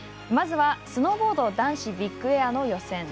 まずは、スノーボード男子ビッグエアの予選。